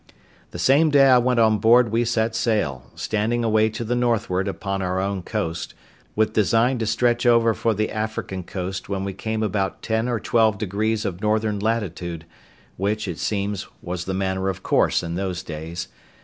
The same day I went on board we set sail, standing away to the northward upon our own coast, with design to stretch over for the African coast when we came about ten or twelve degrees of northern latitude, which, it seems, was the manner of course in those days.